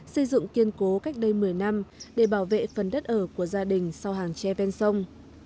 xây dựng kiên cố cách đây một mươi năm để bảo vệ phần đất ở của gia đình sau hàng tre ven sông